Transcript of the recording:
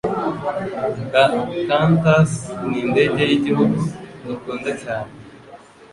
Quantas nindege yigihugu dukunda cyane